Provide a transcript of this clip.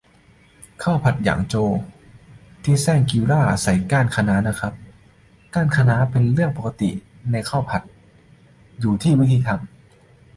ข้าวผัดหยางโจวที่แชงกรีลาใส่ก้านคะน้านะครับ ก้านคะน้านี่เป็นเรื่องปกติในข้าวผัด อยู่ที่วิธีทำ